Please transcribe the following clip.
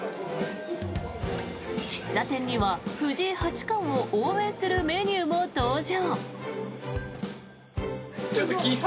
喫茶店には藤井八冠を応援するメニューも登場。